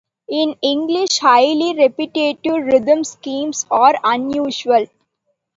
In English, highly repetitive rhyme schemes are unusual.